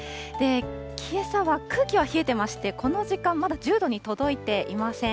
けさは空気は冷えてまして、この時間、まだ１０度に届いていません。